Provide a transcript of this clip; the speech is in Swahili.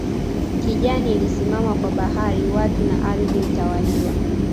Kijani ilisimama kwa bahari watu na ardhi mtawaliwa